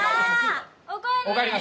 お帰り